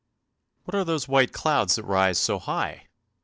" What are those white clouds that rise so high?